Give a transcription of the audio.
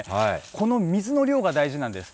この水の量が大事なんです。